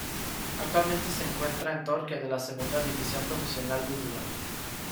Actualmente se encuentra en Torque de la Segunda División Profesional de Uruguay.